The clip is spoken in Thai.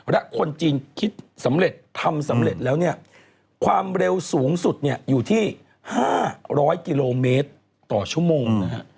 และคนจีนคิดสำเร็จทำสำเร็จแล้วเนี่ยความเร็วสูงสุดเนี่ยอยู่ที่๕๐๐กิโลเมตรต่อชั่วโมงนะฮะ